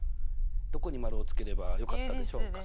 どこに丸をつければよかったでしょうか。